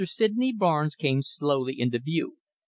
Sydney Barnes came slowly into view.